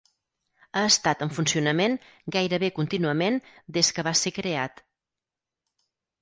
Ha estat en funcionament gairebé contínuament des que va ser creat.